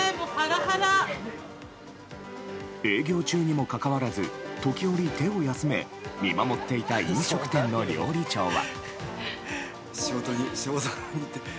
営業中にもかかわらず時折、手を休め見守っていた飲食店の料理長は。